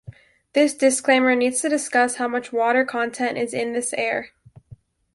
This disclaimer needs to discuss how much water content is in this air.